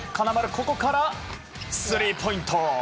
ここからスリーポイント。